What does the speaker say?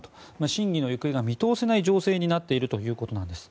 審議の行方が見通せない情勢になっているということです。